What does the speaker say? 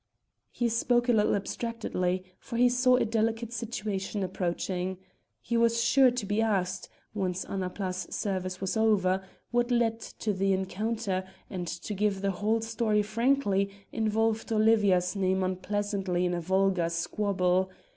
He spoke a little abstractedly, for he saw a delicate situation approaching. He was sure to be asked once Annapla's service was over what led to the encounter, and to give the whole story frankly involved Olivia's name unpleasantly in a vulgar squabble.